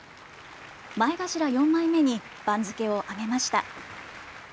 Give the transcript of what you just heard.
前頭４枚目に番付を上げました。